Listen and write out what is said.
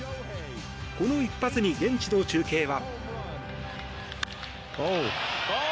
この一発に現地の中継は。